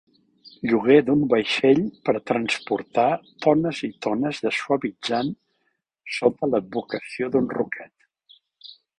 Lloguer d'un vaixell per transportar tones i tones de suavitzant sota l'advocació d'un ruquet.